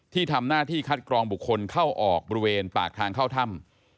ที่ทำหน้าที่คัดกรองบุคคลเข้าออกบริเวณปากทางเข้าถ้ำ